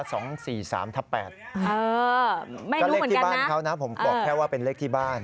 ก็เลขที่บ้านเขานะผมบอกแค่ว่าเป็นเลขที่บ้าน